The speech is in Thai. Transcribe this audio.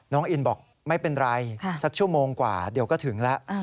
น้องอินบอกไม่เป็นไรสักชั่วโมงกว่าเดี๋ยวก็ถึงแล้ว